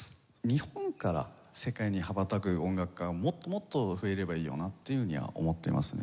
日本から世界に羽ばたく音楽家がもっともっと増えればいいよなっていうふうには思っていますね。